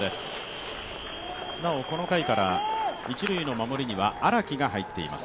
この回から一塁の守りには荒木が入っています。